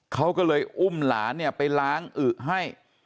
เขาก็เลยอุ้มหลานไปล้างอึ๊ะให้